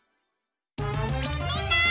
みんな！